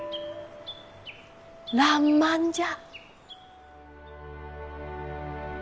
らんまんじゃ。